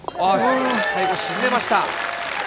最後、沈めました。